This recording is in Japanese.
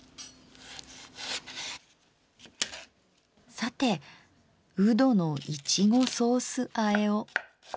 さてうどのいちごソースあえを。